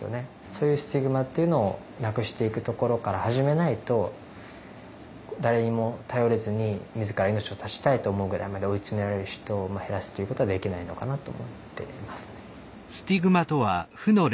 そういうスティグマっていうのをなくしていくところから始めないと誰にも頼れずに自ら命を絶ちたいと思うぐらいまで追い詰められる人を減らすということはできないのかなと思っています。